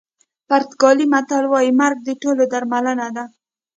پرتګالي متل وایي مرګ د ټولو درملنه ده.